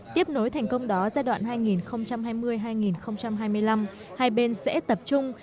tiếp nối thành công đó giai đoạn hai nghìn hai mươi hai nghìn hai mươi năm hai bên sẽ tập trung